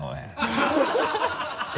ハハハ